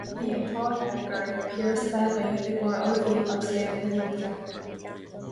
Bhí an t-ádh dearg orainn Piaras a bheith againn i gcomhair ullmhú agus léamh na nuachta.